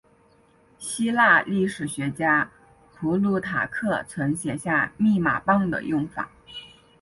希腊历史学家普鲁塔克曾写下密码棒的用法。